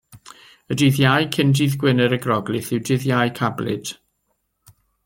Y dydd Iau cyn dydd Gwener y Groglith yw Dydd Iau Cablyd.